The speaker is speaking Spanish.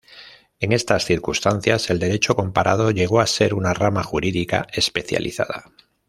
En estas circunstancias el derecho comparado llegó a ser una rama jurídica especializada.